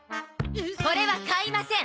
これは買いません！